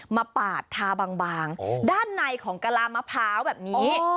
ปาดทาบางด้านในของกะลามะพร้าวแบบนี้